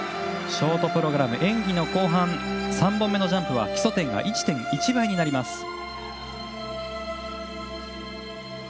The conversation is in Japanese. ショートプログラム演技の後半３本目のジャンプは基礎点が１．１倍になります。